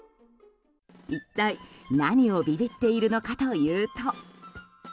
一体、何をビビっているのかというと。